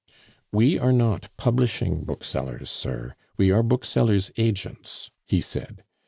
"We are not publishing booksellers, sir; we are booksellers' agents," he said.